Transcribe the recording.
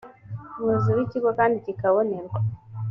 umuyobozi w ikigo kandi kikabonerwa